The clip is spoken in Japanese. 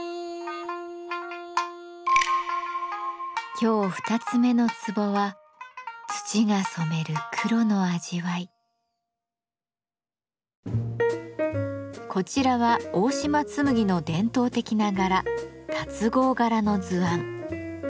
今日二つ目のツボはこちらは大島紬の伝統的な柄龍郷柄の図案。